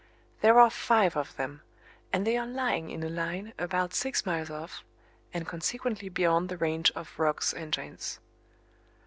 There are five of them, and they are lying in a line about six miles off, and consequently beyond the range of Roch's engines.